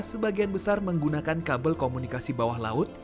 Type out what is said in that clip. sebagian besar menggunakan kabel komunikasi bawah laut